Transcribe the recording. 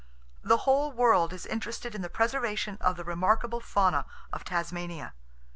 The whole world is interested in the preservation of the remarkable fauna of Tasmania.